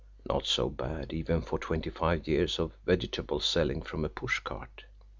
Not so bad, even for twenty five years of vegetable selling from a pushcart!